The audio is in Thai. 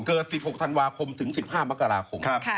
๑๖ธันวาคมถึง๑๕มกราคม